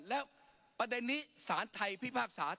แล้วประเด็นนี้สารไทยพิพากษา